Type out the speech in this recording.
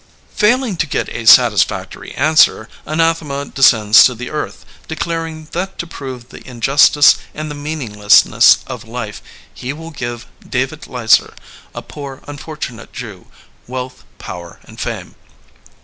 Failing to get a satisfactory answer. Anathema descends to the earth, declaring that to prove the injustice and the meaninglessness of life he will give David Leizer, a poor, unfortunate Jew, wealth, power and fame.